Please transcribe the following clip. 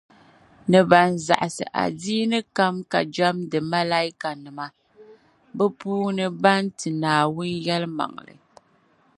ni ban zaɣisi adiini kam ka jεmdi Malaaikanima, bɛ puuni ban ti Naawuni yεlimaŋli